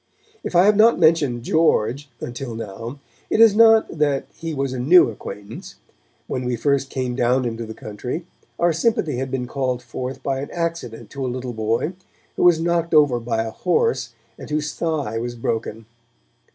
If I have not mentioned 'George' until now, it is not that he was a new acquaintance. When we first came down into the country, our sympathy had been called forth by an accident to a little boy, who was knocked over by a horse, and whose thigh was broken.